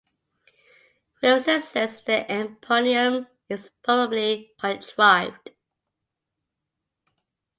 Wilson says this eponym is "probably contrived".